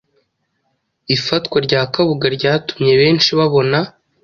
Ifatwa rya Kabuga ryatumye benshi babona